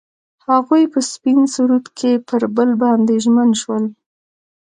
هغوی په سپین سرود کې پر بل باندې ژمن شول.